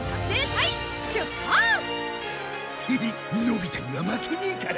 イヒヒのび太には負けねえからな！